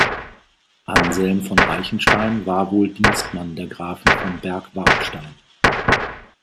Anselm von Reichenstein war wohl Dienstmann der Grafen von Berg-Wartstein.